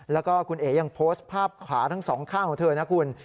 แล้วก็คุณเอ๋ยังโพสต์ภาพขาทั้งสองข้างของเธอนะคุณ